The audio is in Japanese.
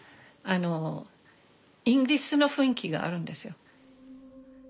あのイギリスの雰囲気があるんですよ。